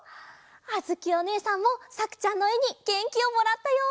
あづきおねえさんもさくちゃんのえにげんきをもらったよ！